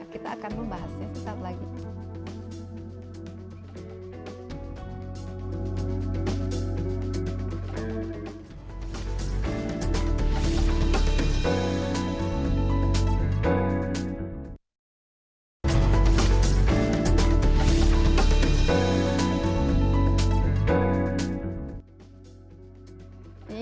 kita akan membahasnya sebentar lagi